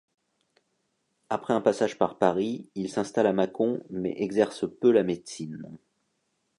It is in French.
Après un passage par Paris il s'installe à Mâcon mais exerce peu la médecine.